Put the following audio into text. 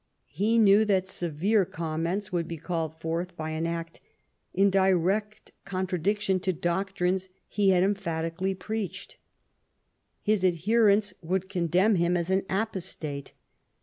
He knew that severe comments would be called forth by an act in direct contradiction to doctrines he had emphatically preached. His adherents would condemn him as an apostate.